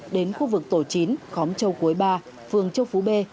đến khu vực tổ chín khóm châu cuối ba phương châu phú b